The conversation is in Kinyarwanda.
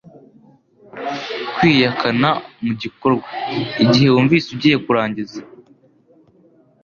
Kwiyakana Mu gikorwa, igihe wumvise ugiye kurangiza